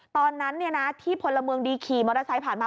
ตอนนั้นที่พลเมืองดีขี่มอเตอร์ไซค์ผ่านมา